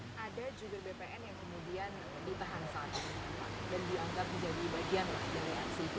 ada jubir bpn yang kemudian ditahan saat dan dianggap menjadi bagian lah dari aksi itu